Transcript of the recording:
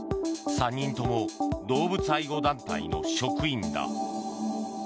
３人とも動物愛護団体の職員だ。